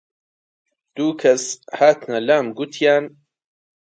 دوو کەس هاتنە لام گوتیان: